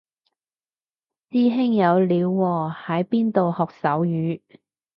師兄有料喎喺邊度學手語